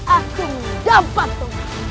aku mendapat tongkat